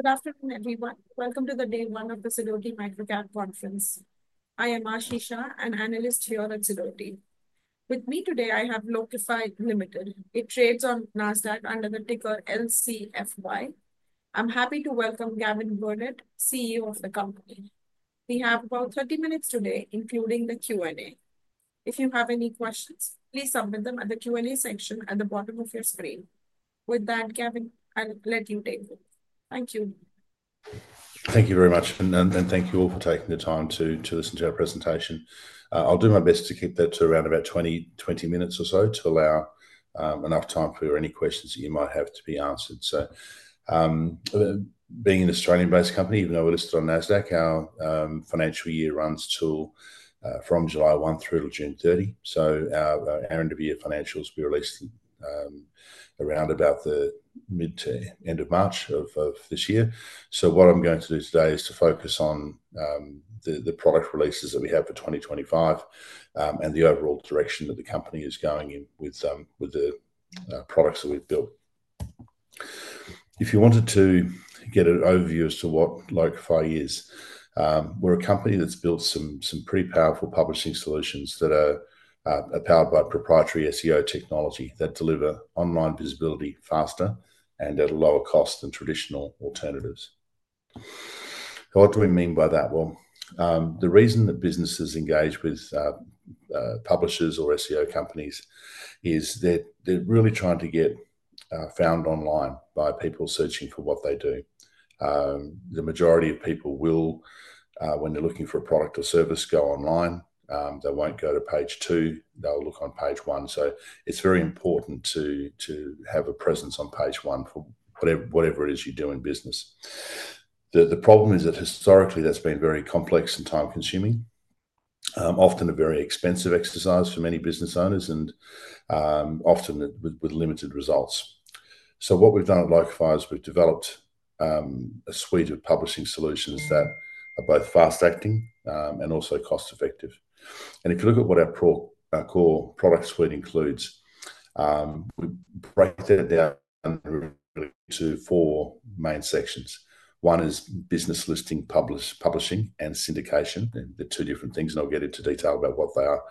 Good afternoon, everyone. Welcome to the Day 1 of the Sidoti MicroCap Conference. I am Aashi Shah, an Analyst here at Sidoti. With me today, I have Locafy Ltd. It trades on NASDAQ under the ticker LCFY. I'm happy to welcome Gavin Burnett, CEO of the company. We have about 30 minutes today, including the Q&A. If you have any questions, please submit them at the Q&A section at the bottom of your screen. With that, Gavin, I'll let you take it. Thank you. Thank you very much, and thank you all for taking the time to listen to our presentation. I'll do my best to keep that to around about 20 minutes or so, to allow enough time for any questions that you might have to be answered. So, being an Australian-based company, even though we're listed on NASDAQ, our financial year runs from July 1 through June 30. So, our end-of-year financials will be released around about the mid to end of March of this year. So, what I'm going to do today is to focus on the product releases that we have for 2025 and the overall direction that the company is going in with the products that we've built. If you wanted to get an overview as to what Locafy is, we're a company that's built some pretty powerful publishing solutions that are powered by proprietary SEO technology that deliver online visibility faster and at a lower cost than traditional alternatives. What do we mean by that? Well, the reason that businesses engage with publishers or SEO companies is they're really trying to get found online by people searching for what they do. The majority of people will, when they're looking for a product or service, go online. They won't go to page two, they'll look on page one. So, it's very important to have a presence on page one for whatever it is you do in business. The problem is that historically, that's been very complex and time-consuming, often a very expensive exercise for many business owners, and often with limited results. What we've done at Locafy is we've developed a suite of publishing solutions that are both fast-acting and also cost-effective. If you look at what our core product suite includes, we break that down into four main sections. One is business listing publishing and syndication, the two different things, and I'll get into detail about what they are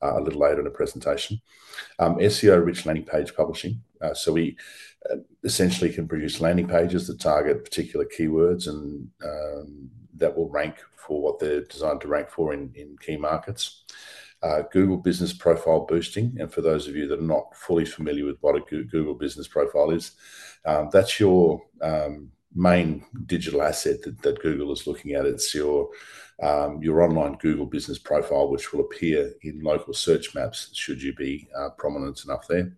a little later in the presentation. SEO rich landing page publishing, so we essentially can produce landing pages that target particular keywords and that will rank for what they're designed to rank for in key markets. Google Business Profile Boosting, and for those of you that are not fully familiar with what a Google Business Profile is, that's your main digital asset that Google is looking at. It's your online Google Business Profile, which will appear in local search maps should you be prominent enough there.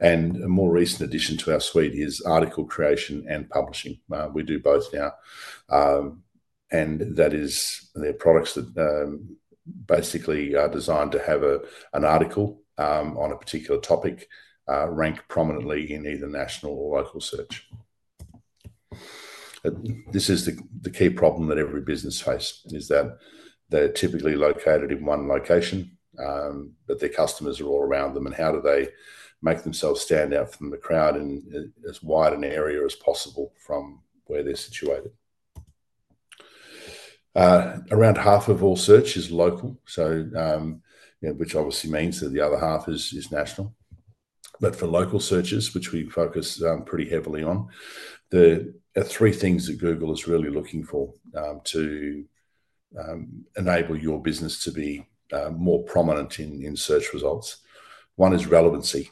And a more recent addition to our suite is article creation and publishing. We do both now, and that is products that basically are designed to have an article on a particular topic rank prominently in either national or local search. This is the key problem that every business faces, is that they're typically located in one location, but their customers are all around them, and how do they make themselves stand out from the crowd in as wide an area as possible from where they're situated. Around half of all search is local, which obviously means that the other half is national. But for local searches, which we focus pretty heavily on, there are three things that Google is really looking for to enable your business to be more prominent in search results. One is relevancy.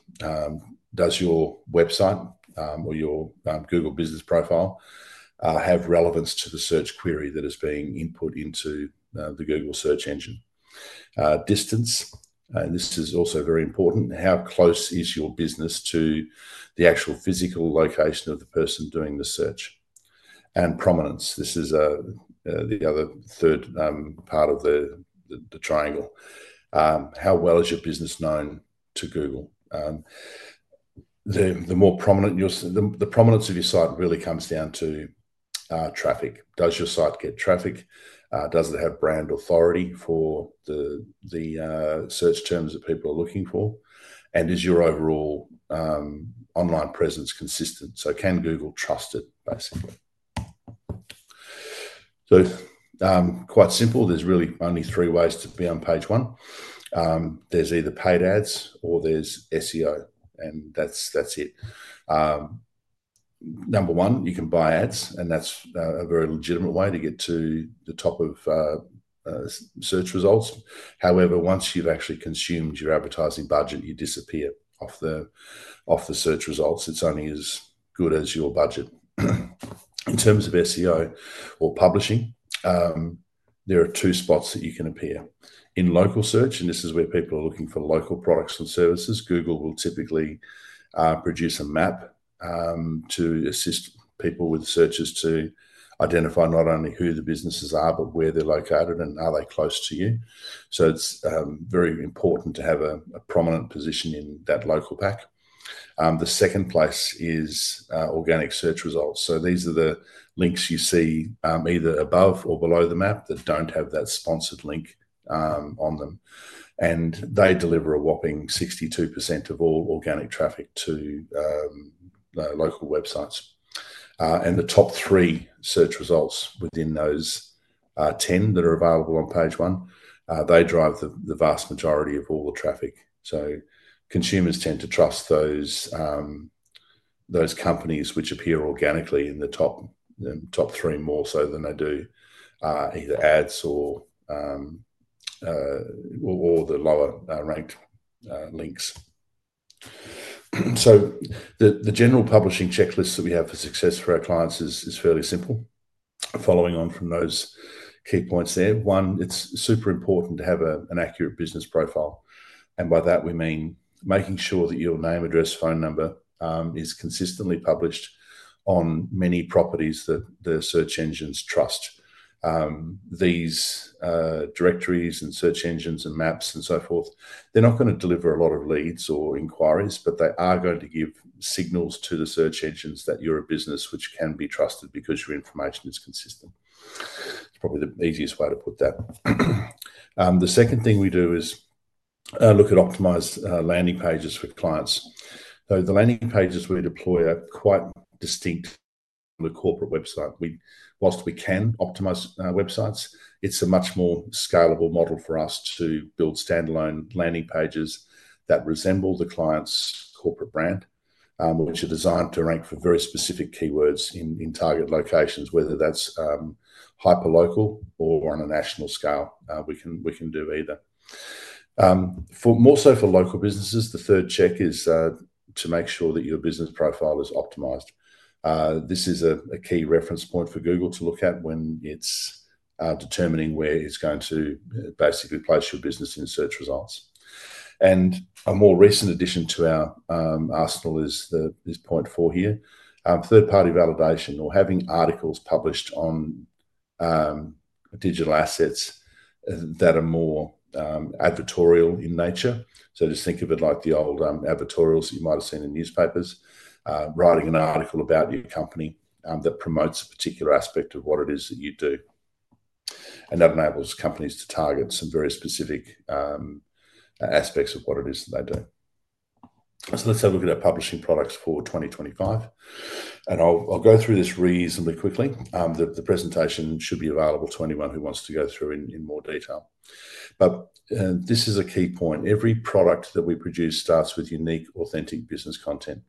Does your website or your Google Business Profile have relevance to the search query that is being input into the Google search engine? Distance, and this is also very important. How close is your business to the actual physical location of the person doing the search? And prominence, this is the other third part of the triangle. How well is your business known to Google? The more prominent your—the prominence of your site really comes down to traffic. Does your site get traffic? Does it have brand authority for the search terms that people are looking for? And is your overall online presence consistent? So, can Google trust it, basically? So, quite simple, there's really only three ways to be on page one. There's either paid ads or there's SEO, and that's it. Number one, you can buy ads, and that's a very legitimate way to get to the top of search results. However, once you've actually consumed your advertising budget, you disappear off the search results. It's only as good as your budget. In terms of SEO or publishing, there are two spots that you can appear. In local search, and this is where people are looking for local products and services, Google will typically produce a map to assist people with searches to identify not only who the businesses are, but where they're located and are they close to you. So, it's very important to have a prominent position in that Local Pack. The second place is organic search results. So, these are the links you see either above or below the map that don't have that sponsored link on them. They deliver a whopping 62% of all organic traffic to local websites. The top three search results within those 10 that are available on page one, they drive the vast majority of all the traffic. Consumers tend to trust those companies which appear organically in the top three more so than they do either ads or the lower-ranked links. The general publishing checklist that we have for success for our clients is fairly simple, following on from those key points there. One, it's super important to have an accurate business profile. By that, we mean making sure that your name, address, phone number is consistently published on many properties that the search engines trust. These directories and search engines and maps and so forth, they're not going to deliver a lot of leads or inquiries, but they are going to give signals to the search engines that you're a business which can be trusted because your information is consistent. It's probably the easiest way to put that. The second thing we do is look at optimized landing pages for clients. So, the landing pages we deploy are quite distinct from the corporate website. While we can optimize websites, it's a much more scalable model for us to build standalone landing pages that resemble the client's corporate brand, which are designed to rank for very specific keywords in target locations, whether that's hyperlocal or on a national scale. We can do either. More so for local businesses, the third check is to make sure that your business profile is optimized. This is a key reference point for Google to look at when it's determining where it's going to basically place your business in search results and a more recent addition to our arsenal is point four here, third-party validation or having articles published on digital assets that are more advertorial in nature, so just think of it like the old advertorials you might have seen in newspapers, writing an article about your company that promotes a particular aspect of what it is that you do and that enables companies to target some very specific aspects of what it is that they do, so let's have a look at our publishing products for 2025 and I'll go through this reasonably quickly. The presentation should be available to anyone who wants to go through in more detail, but this is a key point. Every product that we produce starts with unique, authentic business content.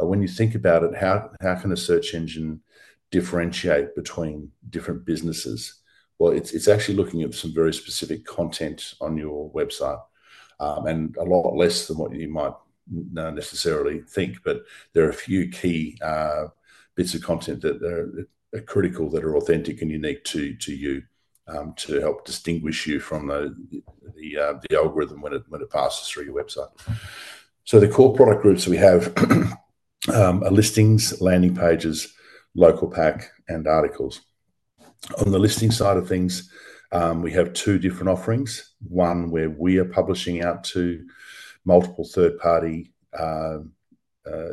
When you think about it, how can a search engine differentiate between different businesses? Well, it's actually looking at some very specific content on your website and a lot less than what you might necessarily think. But there are a few key bits of content that are critical that are authentic and unique to you to help distinguish you from the algorithm when it passes through your website. So, the core product groups we have are listings, landing pages, Local Pack, and articles. On the listing side of things, we have two different offerings. One where we are publishing out to multiple third-party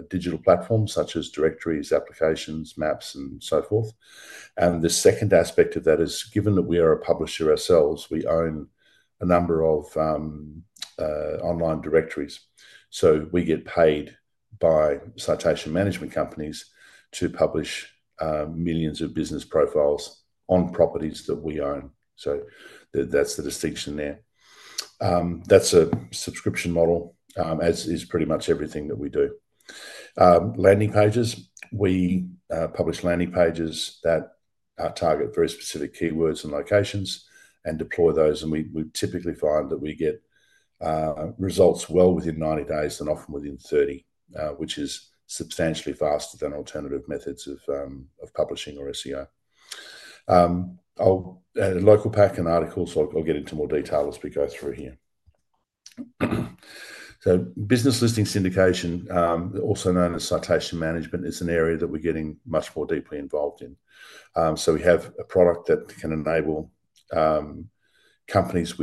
digital platforms such as directories, applications, maps, and so forth. And the second aspect of that is, given that we are a publisher ourselves, we own a number of online directories. So, we get paid by citation management companies to publish millions of business profiles on properties that we own. So, that's the distinction there. That's a subscription model, as is pretty much everything that we do. Landing pages, we publish landing pages that target very specific keywords and locations and deploy those. And we typically find that we get results well within 90 days and often within 30 days, which is substantially faster than alternative methods of publishing or SEO. Local Pack and articles, I'll get into more detail as we go through here. So, business listing syndication, also known as citation management, is an area that we're getting much more deeply involved in. So, we have a product that can enable companies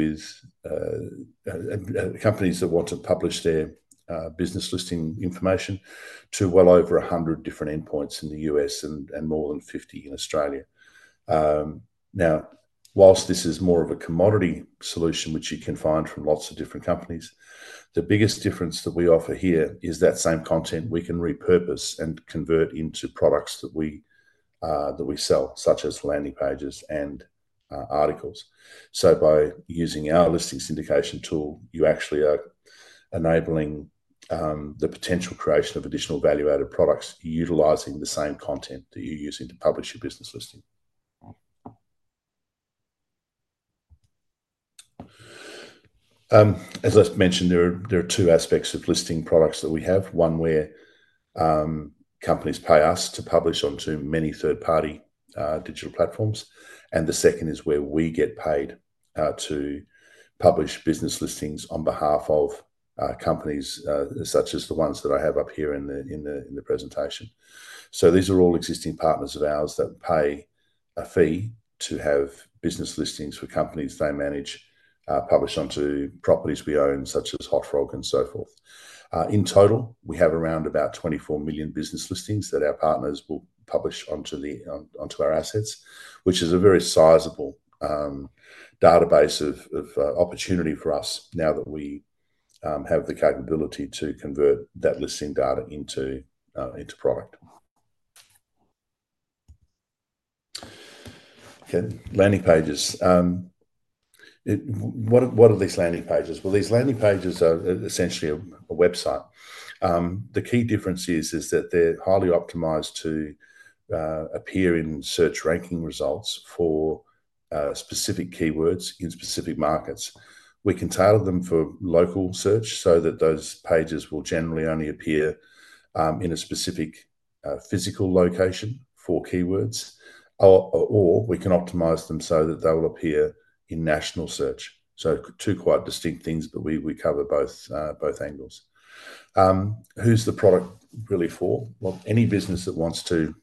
that want to publish their business listing information to well over 100 different endpoints in the U.S. and more than 50 in Australia. Now, while this is more of a commodity solution, which you can find from lots of different companies, the biggest difference that we offer here is that same content we can repurpose and convert into products that we sell, such as landing pages and articles. So, by using our listing syndication tool, you actually are enabling the potential creation of additional value-added products utilizing the same content that you're using to publish your business listing. As I mentioned, there are two aspects of listing products that we have. One where companies pay us to publish onto many third-party digital platforms, and the second is where we get paid to publish business listings on behalf of companies such as the ones that I have up here in the presentation. These are all existing partners of ours that pay a fee to have business listings for companies they manage published onto properties we own, such as Hotfrog and so forth. In total, we have around about 24 million business listings that our partners will publish onto our assets, which is a very sizable database of opportunity for us now that we have the capability to convert that listing data into product. Okay, landing pages. What are these landing pages? Well, these landing pages are essentially a website. The key difference is that they're highly optimized to appear in search ranking results for specific keywords in specific markets. We can tailor them for local search so that those pages will generally only appear in a specific physical location for keywords, or we can optimize them so that they will appear in national search. Two quite distinct things, but we cover both angles. Who's the product really for? Any business that wants to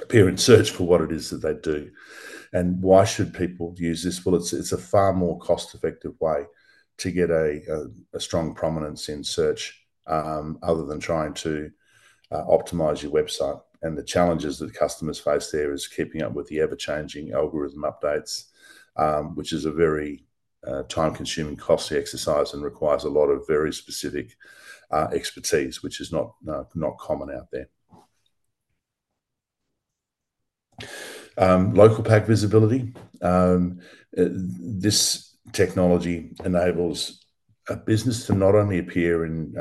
appear in search for what it is that they do. Why should people use this? It's a far more cost-effective way to get a strong prominence in search other than trying to optimize your website. The challenges that customers face there is keeping up with the ever-changing algorithm updates, which is a very time-consuming, costly exercise and requires a lot of very specific expertise, which is not common out there. Local Pack visibility. This technology enables a business to not only appear in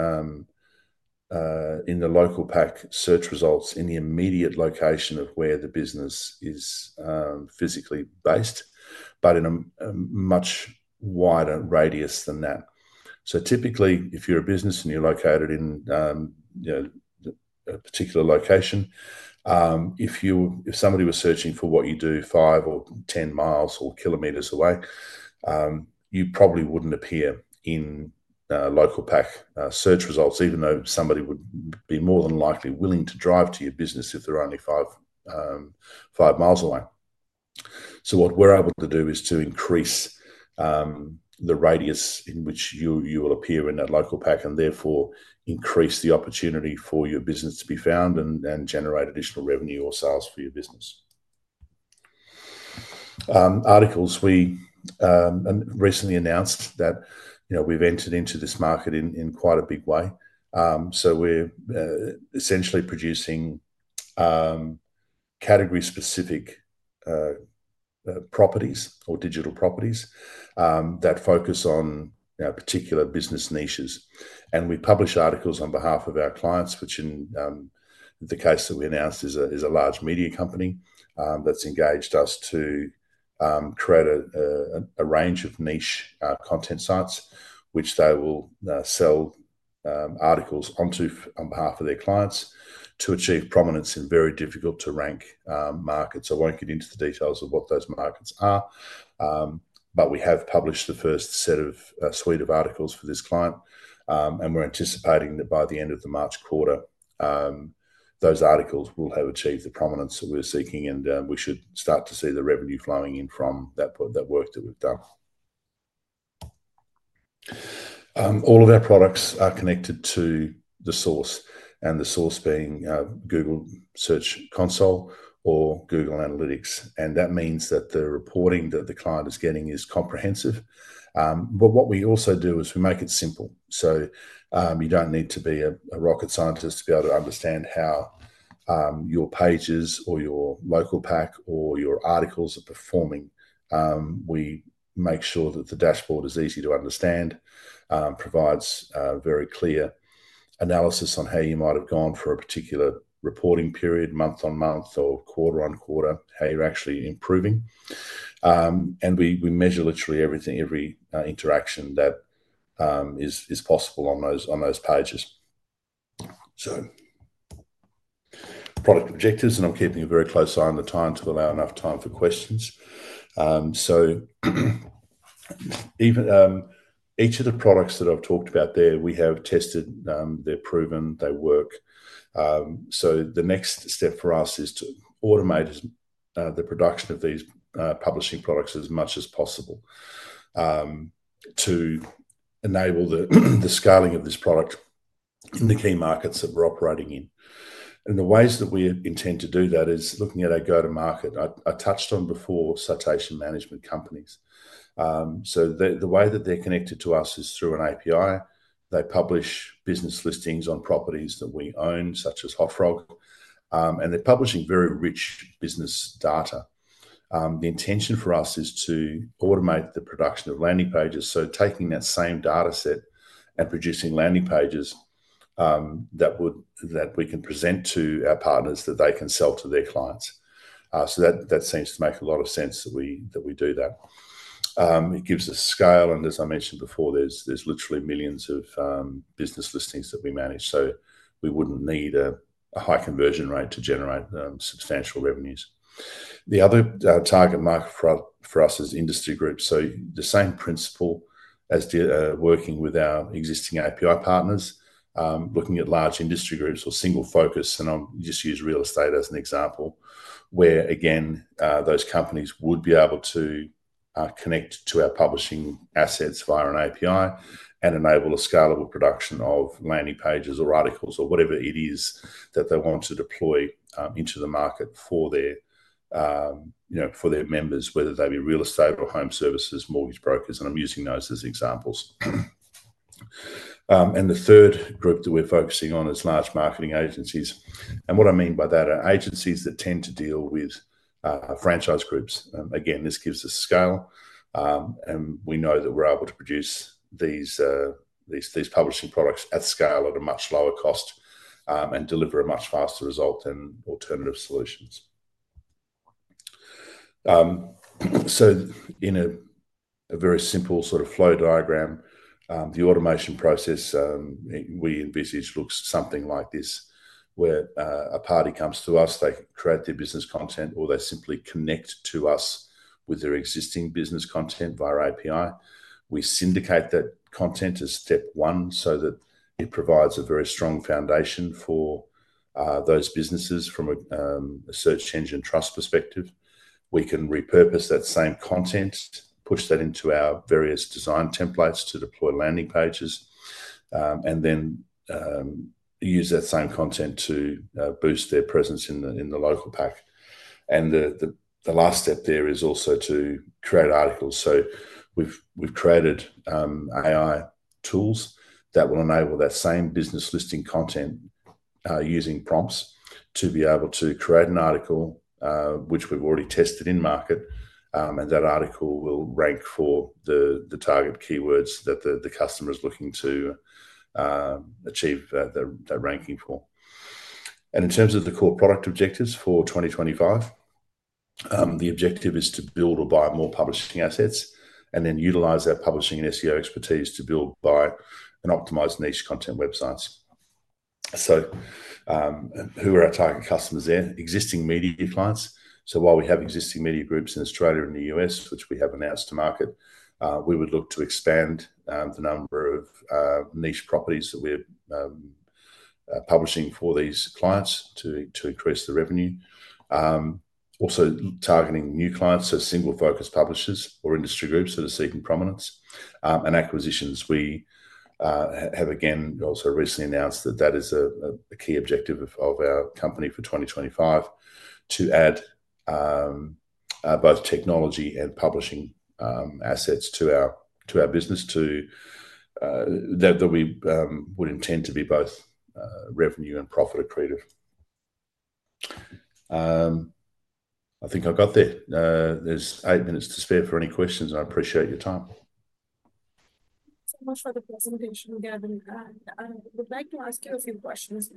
the Local Pack search results in the immediate location of where the business is physically based, but in a much wider radius than that. So, typically, if you're a business and you're located in a particular location, if somebody was searching for what you do 5 mi or 10 mi or kilometers away, you probably wouldn't appear in Local Pack search results, even though somebody would be more than likely willing to drive to your business if they're only five miles away. So, what we're able to do is to increase the radius in which you will appear in that Local Pack and therefore increase the opportunity for your business to be found and generate additional revenue or sales for your business. Articles. We recently announced that we've entered into this market in quite a big way. So, we're essentially producing category-specific properties or digital properties that focus on particular business niches. And we publish articles on behalf of our clients, which in the case that we announced is a large media company that's engaged us to create a range of niche content sites, which they will sell articles onto on behalf of their clients to achieve prominence in very difficult-to-rank markets. I won't get into the details of what those markets are, but we have published the first set of suite of articles for this client. And we're anticipating that by the end of the March quarter, those articles will have achieved the prominence that we're seeking, and we should start to see the revenue flowing in from that work that we've done. All of our products are connected to the source, and the source being Google Search Console or Google Analytics. And that means that the reporting that the client is getting is comprehensive. But what we also do is we make it simple. So, you don't need to be a rocket scientist to be able to understand how your pages or your Local Pack or your articles are performing. We make sure that the dashboard is easy to understand, provides very clear analysis on how you might have gone for a particular reporting period, month on month or quarter on quarter, how you're actually improving. And we measure literally every interaction that is possible on those pages. So, product objectives, and I'm keeping a very close eye on the time to allow enough time for questions. So, each of the products that I've talked about there, we have tested. They're proven. They work. The next step for us is to automate the production of these publishing products as much as possible to enable the scaling of this product in the key markets that we're operating in. The ways that we intend to do that is looking at our go-to-market. I touched on before citation management companies. The way that they're connected to us is through an API. They publish business listings on properties that we own, such as Hotfrog, and they're publishing very rich business data. The intention for us is to automate the production of landing pages. Taking that same dataset and producing landing pages that we can present to our partners that they can sell to their clients. That seems to make a lot of sense that we do that. It gives us scale. And as I mentioned before, there's literally millions of business listings that we manage. So, we wouldn't need a high conversion rate to generate substantial revenues. The other target market for us is industry groups. So, the same principle as working with our existing API partners, looking at large industry groups or single focus. And I'll just use real estate as an example where, again, those companies would be able to connect to our publishing assets via an API and enable a scalable production of landing pages or articles or whatever it is that they want to deploy into the market for their members, whether they be real estate or home services, mortgage brokers. And I'm using those as examples. And the third group that we're focusing on is large marketing agencies. And what I mean by that are agencies that tend to deal with franchise groups. Again, this gives us scale. And we know that we're able to produce these publishing products at scale at a much lower cost and deliver a much faster result than alternative solutions. So, in a very simple sort of flow diagram, the automation process we envisage looks something like this where a party comes to us, they create their business content, or they simply connect to us with their existing business content via API. We syndicate that content as step one so that it provides a very strong foundation for those businesses from a search engine trust perspective. We can repurpose that same content, push that into our various design templates to deploy landing pages, and then use that same content to boost their presence in the Local Pack. And the last step there is also to create articles. So, we've created AI tools that will enable that same business listing content using prompts to be able to create an article, which we've already tested in market, and that article will rank for the target keywords that the customer is looking to achieve that ranking for. And in terms of the core product objectives for 2025, the objective is to build or buy more publishing assets and then utilize that publishing and SEO expertise to build, buy, and optimize niche content websites. So, who are our target customers there? Existing media clients. So, while we have existing media groups in Australia and the U.S., which we have announced to market, we would look to expand the number of niche properties that we're publishing for these clients to increase the revenue. Also, targeting new clients, so single-focus publishers or industry groups that are seeking prominence. And acquisitions, we have again also recently announced that that is a key objective of our company for 2025 to add both technology and publishing assets to our business that we would intend to be both revenue and profit accretive. I think I've got there. There's eight minutes to spare for any questions, and I appreciate your time. So much for the presentation, Gavin. I'd like to ask you a few questions.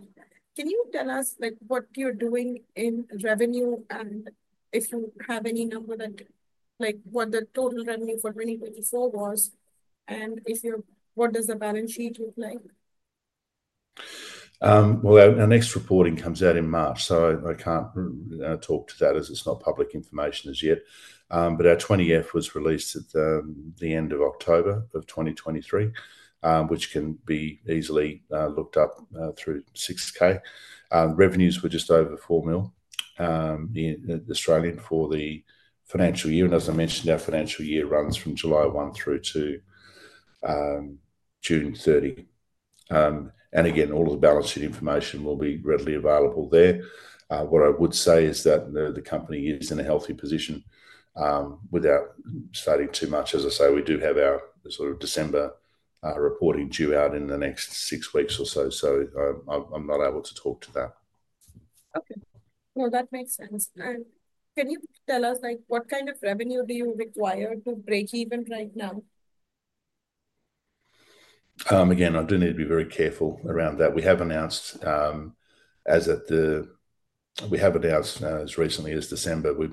Can you tell us what you're doing in revenue and if you have any number that what the total revenue for 2024 was and what does the balance sheet look like? Our next reporting comes out in March, so I can't talk to that as it's not public information as yet. Our 20-F was released at the end of October of 2023, which can be easily looked up through 6-K. Revenues were just over 4 million for the financial year. As I mentioned, our financial year runs from July 1 through to June 30. Again, all of the balance sheet information will be readily available there. What I would say is that the company is in a healthy position without stating too much. As I say, we do have our sort of December reporting due out in the next six weeks or so, so I'm not able to talk to that. Okay. No, that makes sense. Can you tell us what kind of revenue do you require to break even right now? Again, I do need to be very careful around that. We have announced, as recently as December, we've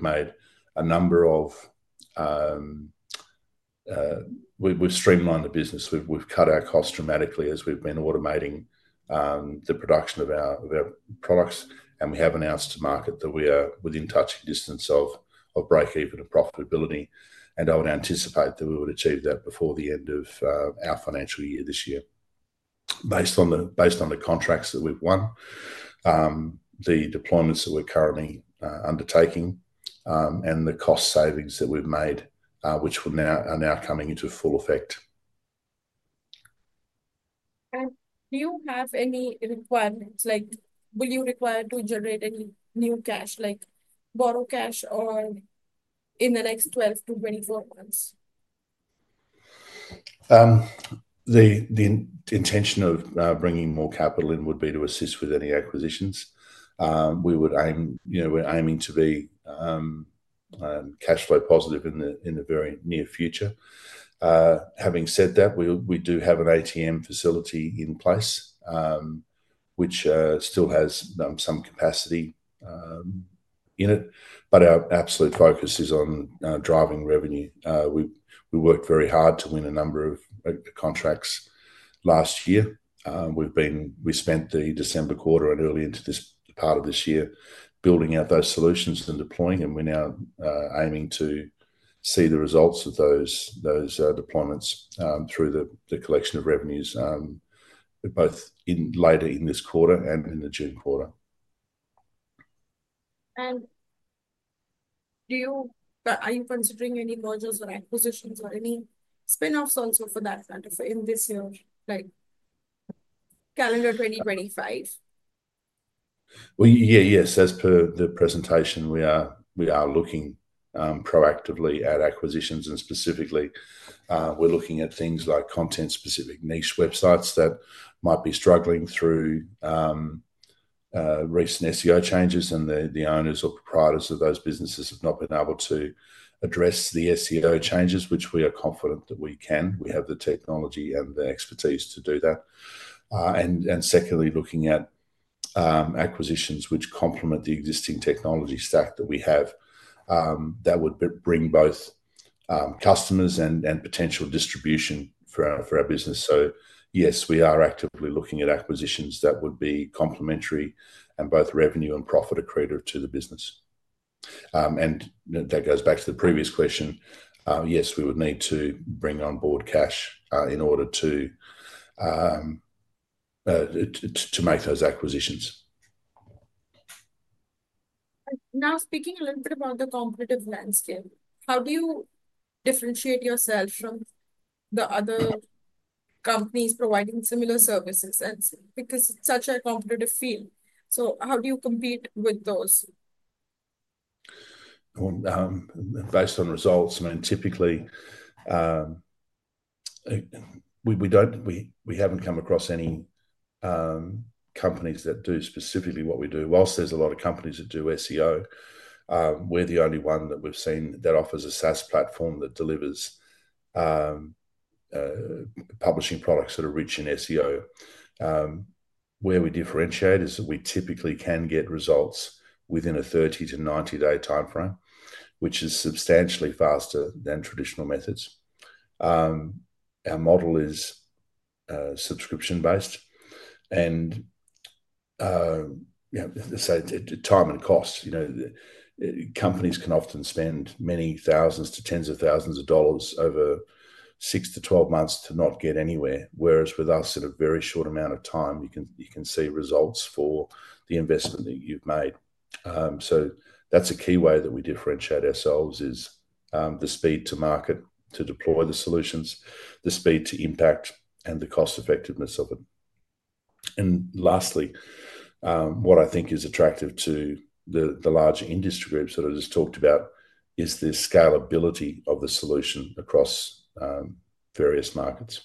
streamlined the business. We've cut our costs dramatically as we've been automating the production of our products. We have announced to market that we are within touching distance of break even of profitability. I would anticipate that we would achieve that before the end of our financial year this year, based on the contracts that we've won, the deployments that we're currently undertaking, and the cost savings that we've made, which are now coming into full effect. Do you have any requirements? Will you require to generate any new cash, like borrow cash, or in the next 12-24 months? The intention of bringing more capital in would be to assist with any acquisitions. We're aiming to be cash flow positive in the very near future. Having said that, we do have an ATM facility in place, which still has some capacity in it. But our absolute focus is on driving revenue. We worked very hard to win a number of contracts last year. We spent the December quarter and early into this part of this year building out those solutions and deploying. And we're now aiming to see the results of those deployments through the collection of revenues, both later in this quarter and in the June quarter. Are you considering any mergers or acquisitions or any spinoffs also for that kind of in this year, like calendar 2025? Well, yeah, yes. As per the presentation, we are looking proactively at acquisitions. And specifically, we're looking at things like content-specific niche websites that might be struggling through recent SEO changes. And the owners or proprietors of those businesses have not been able to address the SEO changes, which we are confident that we can. We have the technology and the expertise to do that. And secondly, looking at acquisitions which complement the existing technology stack that we have that would bring both customers and potential distribution for our business. So, yes, we are actively looking at acquisitions that would be complementary and both revenue and profit accretive to the business. And that goes back to the previous question. Yes, we would need to bring on board cash in order to make those acquisitions. Now, speaking a little bit about the competitive landscape, how do you differentiate yourself from the other companies providing similar services? Because it's such a competitive field. So, how do you compete with those? Based on results, I mean, typically, we haven't come across any companies that do specifically what we do. While there's a lot of companies that do SEO, we're the only one that we've seen that offers a SaaS platform that delivers publishing products that are rich in SEO. Where we differentiate is that we typically can get results within a 30- to 90-day timeframe, which is substantially faster than traditional methods. Our model is subscription-based. And so, time and cost. Companies can often spend many thousands to tens of thousands of dollars over 6-12 months to not get anywhere. Whereas with us, in a very short amount of time, you can see results for the investment that you've made. So, that's a key way that we differentiate ourselves is the speed to market to deploy the solutions, the speed to impact, and the cost-effectiveness of it. Lastly, what I think is attractive to the larger industry groups that I just talked about is the scalability of the solution across various markets.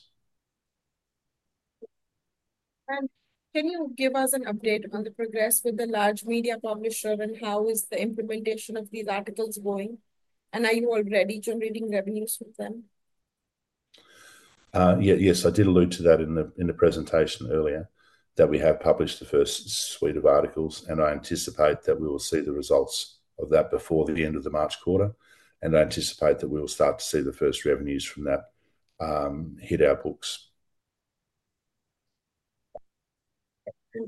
And can you give us an update on the progress with the large media publisher and how is the implementation of these articles going? And are you already generating revenues with them? Yeah, yes. I did allude to that in the presentation earlier that we have published the first suite of articles, and I anticipate that we will see the results of that before the end of the March quarter, and I anticipate that we will start to see the first revenues from that hit our books.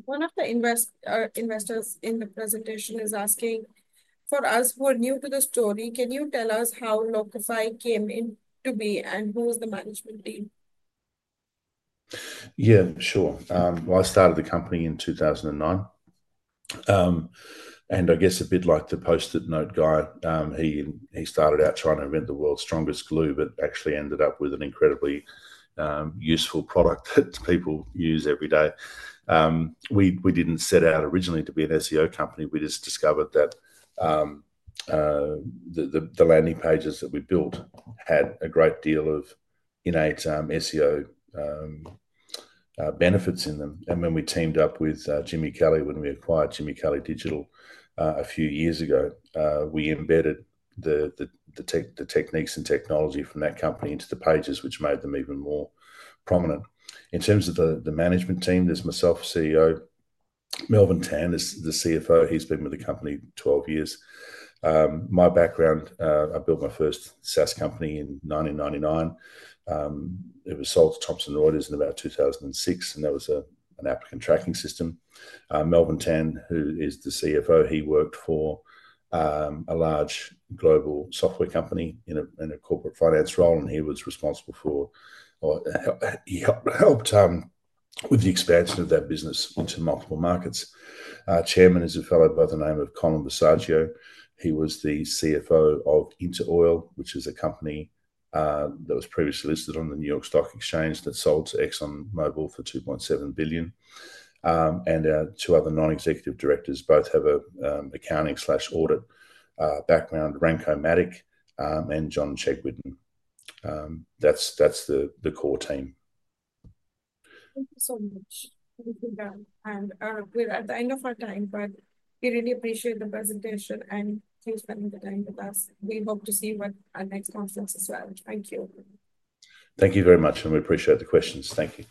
One of the investors in the presentation is asking, for us who are new to the story, can you tell us how Locafy came into being and who is the management team? Yeah, sure, well, I started the company in 2009, and I guess a bit like the Post-it note guy, he started out trying to invent the world's strongest glue but actually ended up with an incredibly useful product that people use every day. We didn't set out originally to be an SEO company. We just discovered that the landing pages that we built had a great deal of innate SEO benefits in them, and when we teamed up with Jimmy Kelley, when we acquired Jimmy Kelley Digital a few years ago, we embedded the techniques and technology from that company into the pages, which made them even more prominent. In terms of the management team, there's myself, CEO, Melvin Tan, the CFO. He's been with the company 12 years. My background, I built my first SaaS company in 1999. It was sold to Thomson Reuters in about 2006, and that was an applicant tracking system. Melvin Tan, who is the CFO, he worked for a large global software company in a corporate finance role, and he was responsible for helping with the expansion of that business into multiple markets. Chairman is a fellow by the name of Collin Visaggio. He was the CFO of InterOil, which is a company that was previously listed on the New York Stock Exchange that sold to ExxonMobil for $2.7 billion. Our two other non-executive directors both have an accounting/audit background, Ranko Matic and John Chegwidden. That's the core team. Thank you so much. And we're at the end of our time, but we really appreciate the presentation and thanks for spending the time with us. We hope to see you at our next conference as well. Thank you. Thank you very much, and we appreciate the questions. Thank you.